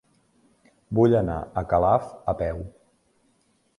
Vull anar a Calaf a peu.